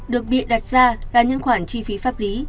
được bị đặt ra là những khoản chi phí pháp lý